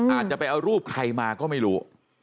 อาจจะไปเอารูปใครมาก็ไม่รู้